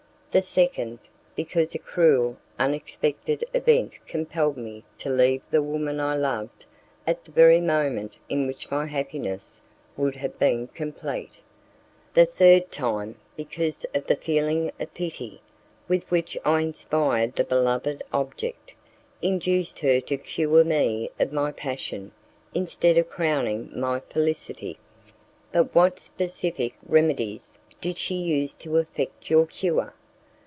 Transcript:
The second, because a cruel, unexpected event compelled me to leave the woman I loved at the very moment in which my happiness would have been complete. The third time, because the feeling of pity, with which I inspired the beloved object, induced her to cure me of my passion, instead of crowning my felicity." "But what specific remedies did she use to effect your cure?"